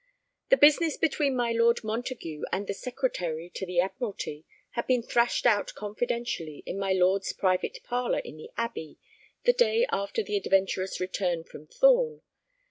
The business between my Lord Montague and the Secretary to the Admiralty had been thrashed out confidentially in my lord's private parlor in the Abbey the day after the adventurous return from Thorn.